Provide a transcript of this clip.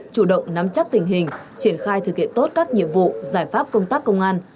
chủ động nắm chắc tình hình triển khai thực hiện tốt các nhiệm vụ giải pháp công tác công an